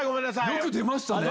よく出ましたね。